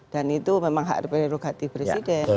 dan itu memang hak prerogatif presiden